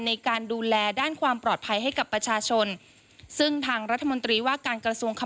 ในการดูแลด้านความปลอดภัยให้กับประชาชนซึ่งทางรัฐมนตรีว่าการกระทรวงคำ